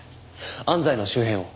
安西の周辺を。